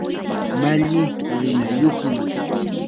malli waynayuqmi.